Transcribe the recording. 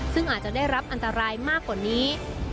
ซึ่งอาจจะได้รับอันตรายมากกว่านี้